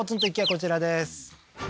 こちらです